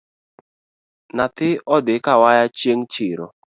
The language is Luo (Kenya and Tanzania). Nyathi odhi kawaya chieng’ chiro